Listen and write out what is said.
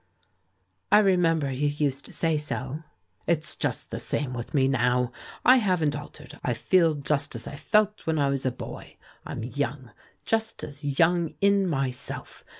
"I remember you used to say so.'* "It's just the same with me now; I haven't altered, I feel just as I felt when I was a boy. I'm young — just as young in myself.